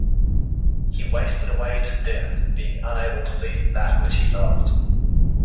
He wasted away to death, being unable to leave that which he loved.